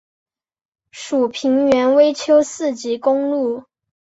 属平原微丘四级公路。